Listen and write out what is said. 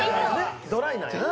ドライなんやな。